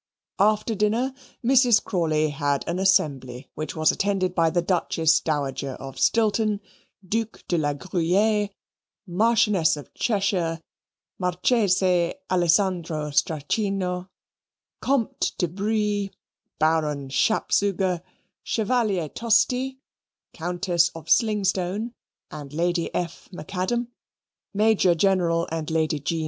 After dinner Mrs. Crawley had an assembly which was attended by the Duchess (Dowager) of Stilton, Duc de la Gruyere, Marchioness of Cheshire, Marchese Alessandro Strachino, Comte de Brie, Baron Schapzuger, Chevalier Tosti, Countess of Slingstone, and Lady F. Macadam, Major General and Lady G.